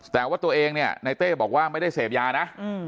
แต่ว่าตัวเองเนี่ยในเต้บอกว่าไม่ได้เสพยานะ